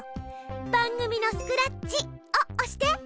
「番組のスクラッチ」を押して。